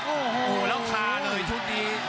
โอ้โหแล้วค้าเลยชุดนี้